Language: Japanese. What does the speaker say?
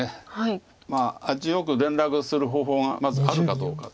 まあ味よく連絡する方法がまずあるかどうかって。